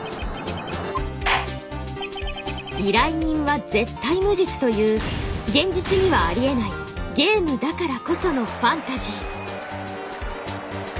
依頼人は「ゼッタイ」無実という現実にはありえないゲームだからこそのファンタジー。